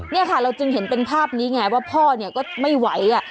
นี่ค่ะเราจึงเห็นเป็นภาพนี้ไงว่าพ่อเนี่ยก็ไม่ไหว